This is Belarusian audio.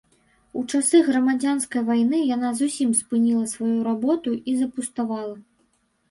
У часы грамадзянскай вайны яна зусім спыніла сваю работу і запуставала.